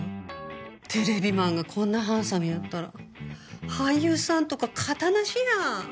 テレビマンがこんなハンサムやったら俳優さんとか形なしやん。